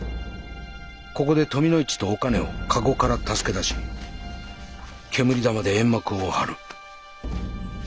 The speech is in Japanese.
ここで富の市とおかねをかごから助け出し煙玉で煙幕を張る。